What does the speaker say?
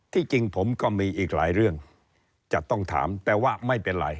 จริงผมก็มีอีกหลายเรื่องจะต้องถามแต่ว่าไม่เป็นไร